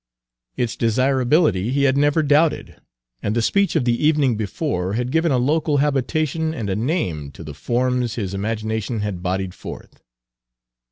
Its desirability he had never doubted, and the speech of the evening before had given a local habitation and a name to the forms his Page 207 imagination had bodied forth.